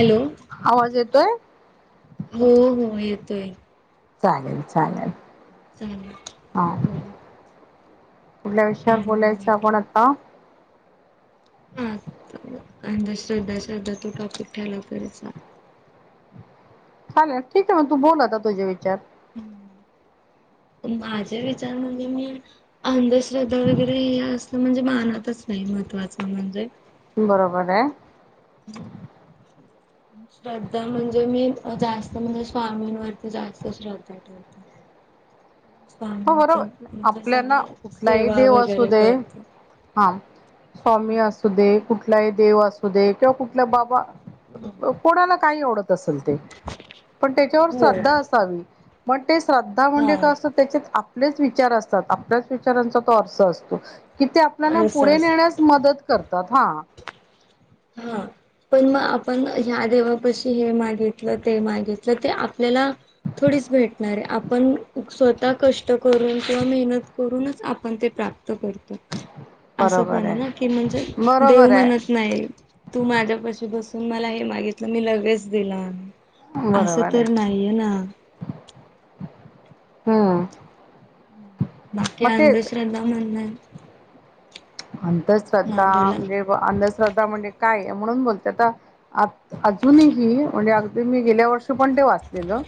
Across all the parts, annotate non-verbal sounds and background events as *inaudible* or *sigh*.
Hello आवाज येतोय हो हो येतोय चालेल चालेल चांगा हा बोल कुठल्या विषयावर बोलायचं कोण आता हमछ अंध श्रद्धा श्रद्धा तो टॉपिक ठ्याला करायचा चालेल ठीक आहे मग तू बोलला आता तुझे विचार हम्म माझे विचार म्हणजे मी अंधश्रद्धा वगैरे हे असलं म्हणजे मानतच नाही म्ह महत्त्वाचं म्हणजे बरोबर आहे हम्म श्रद्धा म्हणजे मी जास्त म्हणजे स्वामींवरती जास्त श्रद्धा ठेवते हो स्वामीच बरोबर म्हणे आपल्याना सगळ कुठलाही सेवा देव असू वगैरे दे करते हा स्वामी असू हम्म. दे कुठ कुठलाही देव असू दे किंवा कुठल्या बाबा -कोणाला काही आवडत तसल ते, पण त्याच्यावर हो श्रद्धा असावी ते श्रद्धा हा म्हणजे का असं तेच्यात आपलेच विचार असतात आपल्याच विचारांचा तो आरसा असतो. कि ते आपल्याना असं पुढे असं नेण्यास मदत करतात हा. हा पण मग आपण ह्या देवापशी हे मागितलं ते मागितलं ते आपल्याला थोडी नक्कीच भेटणाराय आपण स्वतः कष्ट करून किंवा मेहनत करूनच आपण ते प्राप्त तो करतो असं पण आहे ना की म्हणजे देव बरोबर आहे म्हणत नाही तू माझ्यापाशी बसून मला हे मागितलं मी लगेच दिला. बरोबर असं आहे तर नाहीये ना हा.. बाकी अंधश्रद्धा म्हण हा अंधश्रद्धा बोला म्हणजे -अंधश्रद्धा म्हणजे काय म्हणून बोलते आता -अजूनही म्हणजे अगदी मी गेल्या वर्षी पण ते वाचलेलं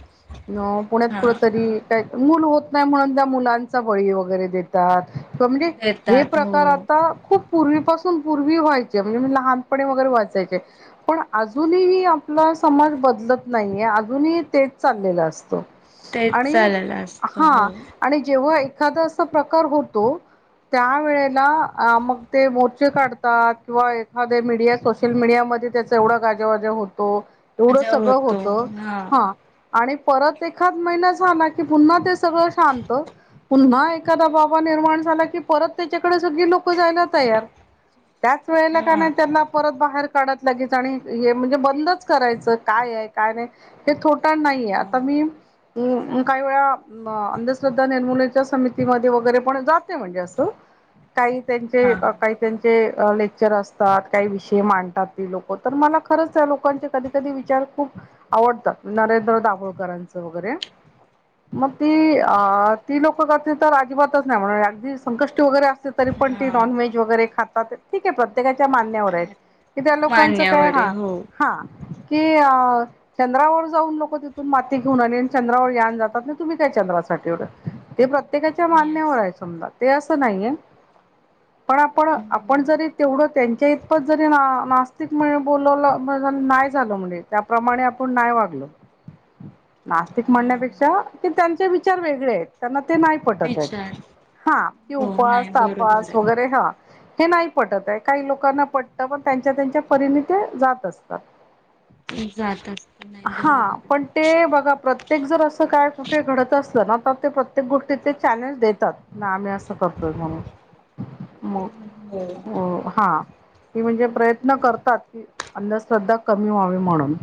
अ पुण्यात कुठ हा तरी काही मुलं होत नाही म्हणून त्या मुलांचा बळी वगैरे देतात.. *unintelligible* म्हणजे हे देतात प्रकार हो खुप पूर्वीपासून पूर्वी व्हायचे म्हणजे लहानपणी वगैरे वाचायचे पण अजूनही आप आपला समाज बदलत नाहीये अजूनही तेच चाललेला असतो. तेच आणि चालेलं असत हा हो आणि जेव्हा एखादा अस प्रकार होतो त्यावेेळेला हा मग ते मोर्चे काढतात किंवा एखादे मीडिया सोशल मीडियामध्ये त्याच एवढं गाजावाजाव होतो एवढ मजा सगळं होतो होत हा आणि परत एखाद महिना झाला की पुन्हा ते सगळं शांत.. पुन्हा एखादा बाबा निर्माण झाला की परत त्याच्याकडे सगळी लोक *unintelligible* जायला तयार त्याच वेळेला का हा नाही त्यांना परत बाहेर काढत लगेच आणि हे म्हणजे बंदच करायच काय ए काय नाही हे थो का नाहीये आता मी हा हम्म ह काही वेळा -अंधश्रद्धा निर्मूलेच्या समितीमध्ये वगैरे पण जाते म्हणजे असं काही त्यांचे अ.. काही त्यांचे अ लेक्चर असतात. काही विषय मांडतात. ती लोक तर मला खरंच त्या लोकांचे कधी कधी विचार खूप आवडतात. नरेंद्र दाभोळकरांचं वगैरे मग ती अ ती लोक करतील तर अजिबातच नाही म्हणून अगदी संकष्टी वगैरे असं- - पण हा ते नॉन व्हेज वगैरे खातात ठीक हाय पण - - प्रत्येकाच्या मानण्यावर हाय कि त्या लोकांचं काय मान्यवर आहे हो हा-हा. कि चंद्रावर जाऊन लोक तिथून माती घेऊन आली आणि चंद्रावर यान जातात ना तुम्ही त्या चंद्राचं *unintelligible* ते प्रत्येकाच्या मान्यवर येस आहे समजा ते असं नाहीये. पण आपण हा -आपण जरी तेवढं त्यांच्या इतपत जरी ना नास्तिक म्ह *unintelligible* बोलवलं *unintelligible* नाही झालं म्हणजे त्याप्रमाणे आपण नाही वागलो *inaudible* नास्तिक म्हणण्यापेक्षा की त्यांचे विचार वेगळे आहेत त्यांना ते नाही पटताइत विचार हा ते हो उपास नाही बरोबर तापास वगैरे हा हे नाही पटत दाय काही लोकांना पटत, पण त्यांच्या- त्यांच्या पिरिने ते जात असतात. *inaudible* जात असत नाही हा बरोबर आहे पण ते बघा प्रत्येक जर अस काय कुठे घडत असलं ना तर ते प्रत्येक गोष्टीत ते चॅलेंज देतात ना आम्ही असं करतोय म्हणून. म... हो हा.. की म्हणजे प्रयत्न करतात की -अंधश्रद्धा कमी व्हावी म्हणून.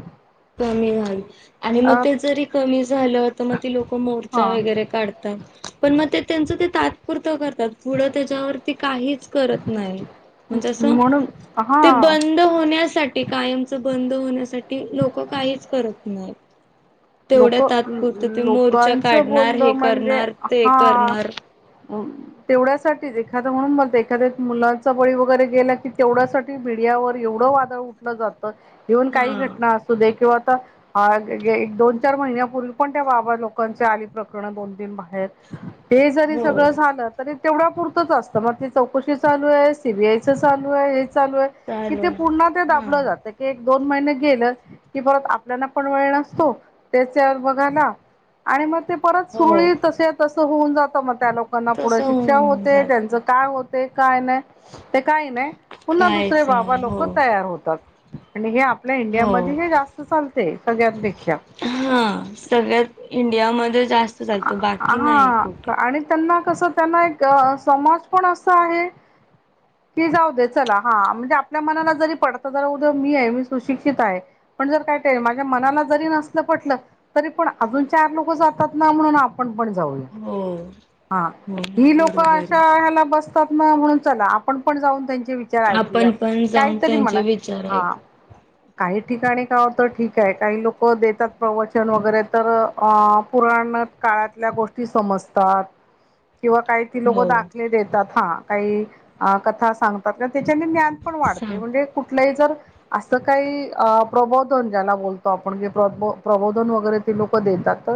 कमी झाल- आणि मग अ ते जरी कमी झालं, तर म ती लोकं मोर्चा हा वगैरे काढतात पण म तेंच ते तात्पुर रत करतात पुढं त्याच्यावरती काहीच करत नाही. म्हणजे असं - म्हणून - ते हा बंद होण्यासाठी कायमच बंद होण्यासाठी लोक - - काहीच करत नाहीत. तेवढ्या लोक तात्पुरत ते मोर्चा लोकांचं काढणार हे बोलणं म्हणजे करणार ते हा करणार. ह. तेवढ्यासाठीच एखाद म्हणून ब एखाद्या मुलांचा बळी वगैरे गेला की तेवढ्यासाठी मीडियावर एवढं - - वार उठलं जात *unintelligible* काही हा घटना असू दे किंवा आता एक दोन - - चार महिन्यापूर्वी पण त्या बाबा लोकांचे आली प्रकरण दोन तीन बाहेर. ते जरी हो सगळं झालं. तरी तेवढ्या पुर - - त मग ते चौकशी चालू आहे. सीबीआय च चालू आहे. चालू कि ते चालेल पुन्हा ते हा दाबलं जात. दोन महिने गेलं की परत आपल्याला पण वेळ नसतो. त्याच्या बघाला आणि मग ते परत हो सुरळी तसे तसं होऊन जात मग त्या लोकांना तस पुढं शिक्षा होऊन होते. जात त्यांच काय होते. काय नाही. ते काही नाही पुन्हा दुसरे काहीच बाबा नाही हो लोक तयार होतात. आणि हे आप - - ल्या हो इंडियामध्ये हे जास्त चालतयं सगळ्यांपेक्षा - - हा सगळ्यात इंडियामध्ये जास्त चालत बाकी नाही कुठे - - कस त्यांना एक समाज पण असा आहे. की जाऊ दे चला हा म्हणजे, आपल्या मनाला जरी पडत जरा उद्या मी आहे. मी सुशिक्षित हाय. पण जर काय ते माझ्या मनाला जरी नसलं पटलं तरी, पण अजून चार लोक जातात - - म्हणून आपण पण हो हो जाऊया हा नाही ही लोक बरोबर अशा आहे ह्याला बस - - तातना म्हणून चला आपण पण जाऊन त्यां - - विचार ऐकुया आपण पण जाऊन काहीतरी म्हणा त्यांचे विचार हा ऐक काही - - ठिकाणी का होतं ठीक आहे काही लोक देतात प्रवचन वगैरे तर - - पुराण काळातल्या गोष्टी समजतात. किंवा काही त लोक हो दाखले देतात हा, काही कथा सांगतात. त्याच्याने ज्ञान पण वाढतयं, सांग म्हणजे कुठलंही जर - - असं काही प्रबोधन ज्याला बोलतो आपण जे प्रबोधन वगैरे ते लोक दे - - तात.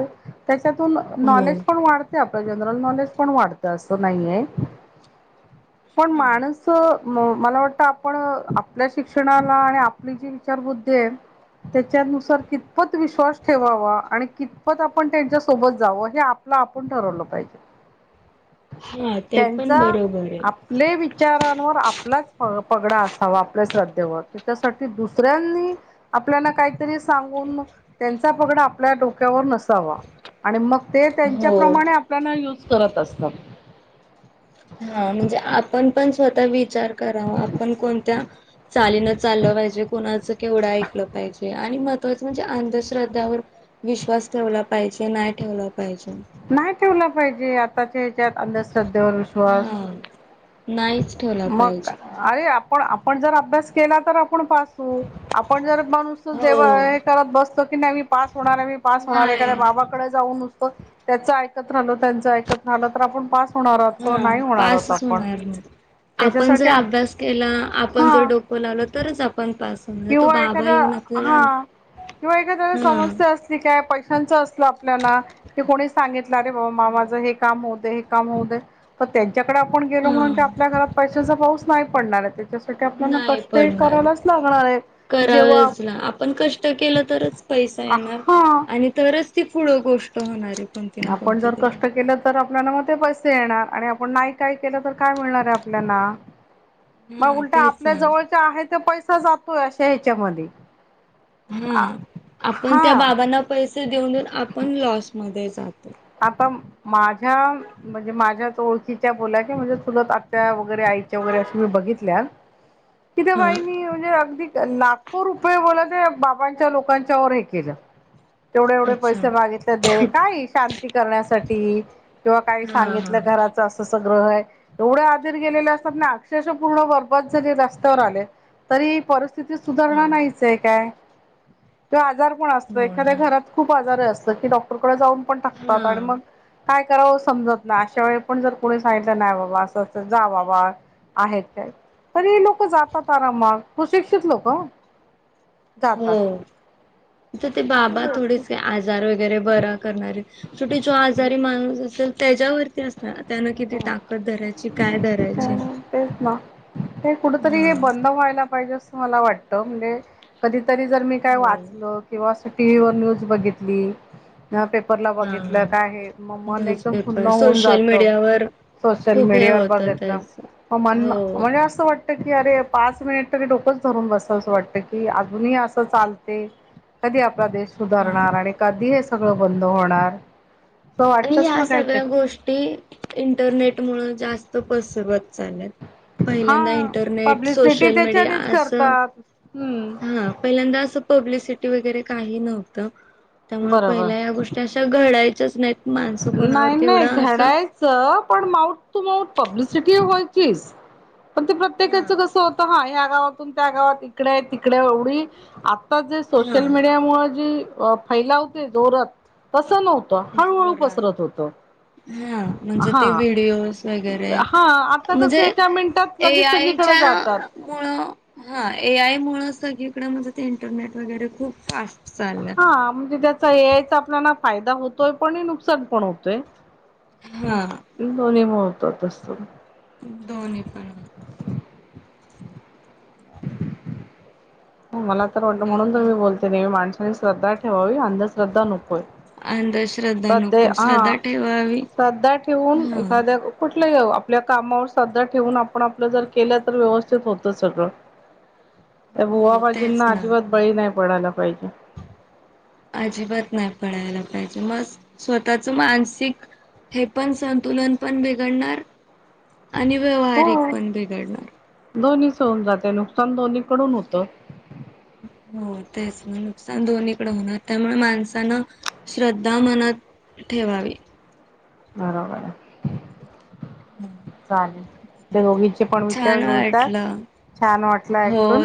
त्याच्यातून हो नॉलेज पण वाढते आपलं जनरल नॉलेज पण वाढतं असं नाही आहे. पण माणस. म मला वाटतं आपण आपल्या शिक्षणाला आणि आपली जी विचारबुद्धी आहे. त्याच्यानुसार कितपत विश्वास ठेवावा आणि कितपत. आपण त्यांच्या सोबत जावं हे आपलं आपण ठरवलं पाहिजे. हा ते पण त्यांचा बरोबर आहे आपले विचारांवर आपलाच. पगडा असावा आपल्या श्रद्धेवर त्याच्यासाठी दुसऱ्यांनी आपल्याला काहीतरी सांगून. त्यांचा पगड आपल्या डोक्यावर नस वा आणि मग ते त्यांच्या हो प्र्रमाणे आपल्याला यूज करत असतात. हा म्हणजे आपण पण स्वतः विचार कराव आपण कोणत्या चालीन चाललं पाहिजे कोणाचं केवढं ऐकलं पाहिजे. महत्त्वाचा म्हणजे अंधश्रद्धावर विश्वास ठेवला पाहिजे नाही ठेवला. पाहिजे नाही ठेवला पाहिजे आताच्या ह्याच्यात अंधश्रद्धेवर विश्वास. नाहीईच. मग अरे आपण आपण जर अभ्यास केला तर. ण पास आपण जर माणूस हो करत बसतो की नाही मी पास होणार मी पास होणार. एखाद्या नाही बाबाकडे जाऊन बघतो याचा एकत राहतो त्याचा ऐकत राहतो असं झालं तर आपण पास. होणारह हा नाही होणारहत पासच आपण. होणार नाही आपण जर त्याच्यासाठी आप अभ्यास केला आपण जर हा डोकं लावल तरच आप. पण पासून तो किंवा बाबा एखादा येऊन आपल्याला हा किंवा एखाद्याला हा समस्या असली काय पैशांच अस ल्या कोणी सांगितलंे बा मा हो माझ हे काम हो हे काम हो त्या्याकडे आपण गेलो हा म्हणून ते आपल्या घरात पैशांचा पाऊस नाही पडणार आहे ते त्यासाठी आपल्याना नाही कष्टही पडणार करायलाच लाग करावेच ना आपण कष्ट केलं तरच पैसा येणार हा आणि तरच. ती पुढ गोष्ट होणारी. आपण जर कष्ट केलं तर. आपल्या मग ते पैसे येणार आणि आपण नाही काय केलं तर काय मिळणार आहे आपल्याला. मग हा उलटा तेच आपल्या ना जवळच्या आहे ते पैसा जातोय अशा ह्याच्यामध्ये. हा आपण त्या हा बाबांना पैसे देऊन देऊन आपण लॉसमध्येच. आता माझ्या म्हणजे माझ्या. ओळखीच्या बोला क म्हणजे चुलत आत्या वगैरे आईच्या वगैरे असे मी बघितल्या. तिथे हा बाहिनी म्हणजे अगदी. लाखो रुपये वळ बाबांच्या लोकांच्या व हे केलं. तेवढे एवढे अच्छा पैसे मागितले दे काय. शांती करण्यासाठी नाहीतर काय हा सांगितलं हा घराचं असं. ग्रह आहे एवढ्या आधीर गेलेले असतात ना अक्षेश पूर्ण बर्बद जरी रस्त्यावर आले. तरी पर. स्ि हा सुधारणा नाहीचय काय किंवा आजार पण असतो हो एखाद्या ना घरात खूप आजार असत. डॉक्टरडे जाऊन पण हा टाकात मग काय. करा समजत ना अशा वेळी पण जर कोुणी सांितलं नाही बाबा अस जा बाबा. आहेत काय तरी लोक जातात आराम मग तू शिक्षित लोक. जातात. हो तर ते बाबा थोडेसे काही आजार वगैरे बरा करणारे शेवटी जो आजारी माणूस असेल. त्याच्यावरती असणार त्यान किती ताकद धरायची काय धरायची. तेच ना हे कुठतरी हे हा बंद व्हायला पाहिजे. वाट म्हणजे कधीतरी जर मी काय हो वाचल किंवा. टीव्हीवर न्यूज बघितली. पेपरला हा बघितलं काय आहे मग मन एकदम फन्न न्यूजपेपर होऊन सोशल जात. मीडियावर सोशल खूप हे मीडियावरर होत बघत ना. त्याच म म्हण हो म्हणजे असं वाटतं की अरे पाच मिनिट तर की ोकंच. ब वाटत क अजूनही असं चालते कधी आपला देश हा सुधारणार आणि कधी हे सगळं बंद होणार. असं आणि वाटतच हया ना सगळ्या काहीतरी गोष्टी इंटरनेट मुळ जास्त पसरवत चालयांत हा पहिल्यांदा इंटरनेट पब्लिसिटी सोशल मीडिया त्याच्यानेच असं करतात हम्म हा पहिल्यांदा असं पब्लिसिटी वैगरे काही नव्हत त्यामुळे बरोबर पहिल्या हया गोष्टी आश घडायचाच नाहीत माणसं कोणावर नाही नाही तेवढं असं घडायचं पण माऊट टू माऊट पब्लिसिटी व्हाय पण ते प्रत्येकाच हा कस होत हा गावातून त्या गावात इकडे तिकडे एवढी आता जे सोशल हा मीडिया मुळ जी अ फैलावते जोरत तसं नव्हतं हळूहळू पसरत जोरात होत. हा म्हणजे ते व्हडिओज वगैरे हा आता म्हणजे कसं एका मिनिटात ए लगेच आय सगळीकडे जातात मुळ हा ए आय मुळ सग इकडं महेंजे ते इंटरनेट वगैरे खूप फास्ट चाललं. हा म्हणजे त्याचा एआयचा आपल्याला फायदा होतोय पण नुकसान पण होतोय. हा दोन्ही मूळे होत तस दोन्ही पण मला तर वाटं म्हणून तर बाकी मी बोलते नाही मी माणसाांनी श्रद्धा ठेवावी अंधश्रद्धा नुकोय अहंदच सध्या हा श्रद्धा ठेवून हा एखाद्या कुठे आपल्या कामावर साध्या ठेवून आपण आपलं जर केलं तर व्यवस्थित होत सगळं *inaudible* त्या भुवा हो तेच बाजींना ना अजिबात बळी नाही पडायला पाहिजे *inaudible* अजिबात नाही पडायला पाहिजे मग स्वतःच मानसिक हे पण संतुलन पण बिघडणार. आणि व्यवहारिक पण बिघडणार. ऊन जाते नुकसान दोन्ही कडून होतं हो तेच ना नुकसान दोन्हीकडे होणार त्यामुळे माणसानं श्रद्धा मनात ठेवावी. बरोबर. हम्. चालेल ते दोघींचे पण विचार जुळतात वाटलं छान वाटला हो ऐकून.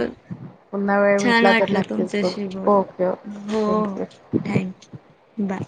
पुन्हा वेळ छान भेटला तर वाटलं नक्कीच बोल तुमच्याशी ओके बोलून हो ओके हो थँक्यू थँक्यू बाय.